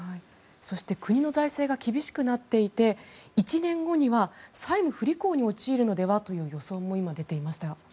そして国の財政が厳しくなっていて１年後には債務不履行に陥るのではという予想も今、出ていましたが。